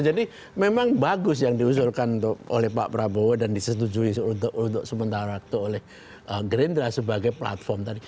jadi memang bagus yang diusulkan oleh pak prabowo dan disetujui untuk sementara itu oleh gerindra sebagai platform tadi